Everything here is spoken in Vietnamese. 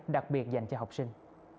đặc biệt dành cho học sinh